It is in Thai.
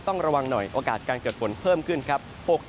ต้องระวังหน่อยโอกาสการเกิดฝนเพิ่มขึ้นครับ